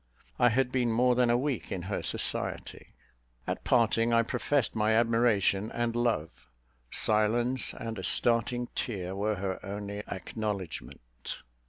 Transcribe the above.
I had been more than a week in her society. At parting, I professed my admiration and love. Silence and a starting tear were her only acknowledgment.